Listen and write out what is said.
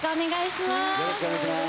よろしくお願いします。